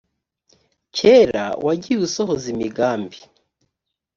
kera wagiye usohoza imigambi